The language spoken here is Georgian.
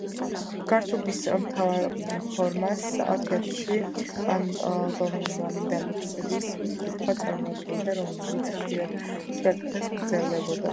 გართობის მთავარ ფორმას თეატრში პანტომიმა და ლექსების კითხვა წარმოადგენდა, რომლებიც ხშირად მთელ დღეს გრძელდებოდა.